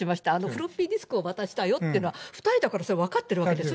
フロッピーディスクを渡したよっていうのは、２人だからそれは分かってるわけです。